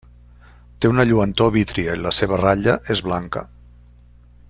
Té una lluentor vítria i la seva ratlla és blanca.